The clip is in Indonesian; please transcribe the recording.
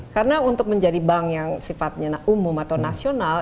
karena untuk menjadi bank yang sifatnya umum atau nasional